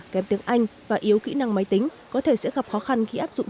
kém tiếng anh và yếu kỹ năng máy tính có thể sẽ gặp khó khăn khi áp dụng